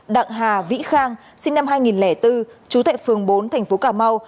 đặng hà vĩ khang sinh năm hai nghìn bốn chú tại phường bốn thành phố cà mau